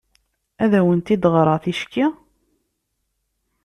Ad awent-d-ɣreɣ ticki?